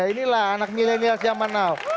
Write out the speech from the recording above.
inilah anak milenial zaman now